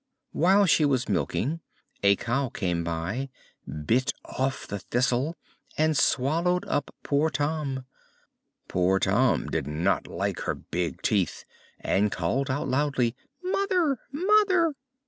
While she was milking, a cow came by, bit off the thistle, and swallowed up Tom. Poor Tom did not like her big teeth, and called out loudly, "Mother, mother!"